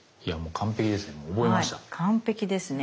完璧ですね。